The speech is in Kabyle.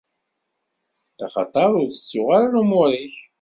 Axaṭer ur tettuɣ ara lumuṛ-ik!